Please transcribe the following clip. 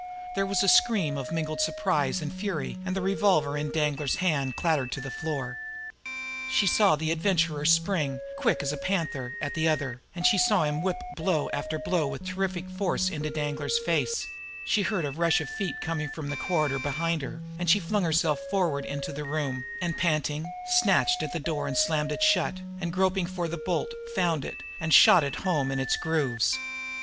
There was a scream of mingled surprise and fury, and the revolver in Danglar's hand clattered to the floor. She saw the Adventurer spring, quick as a panther, at the other, and saw him whip blow after blow with terrific force full into Danglar's face; she heard a rush of feet coming from the corridor behind her; and she flung herself forward into the inner room, and, panting, snatched at the door and slammed it shut, and groping for the bolt, found it, and shot it home in its grooves.